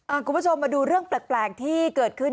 คุณผู้ชมมาดูเรื่องแปลกที่เกิดขึ้น